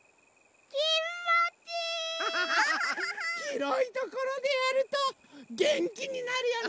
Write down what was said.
ひろいところでやるとげんきになるよね！